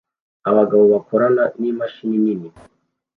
Abagabo bakorana n'imashini nini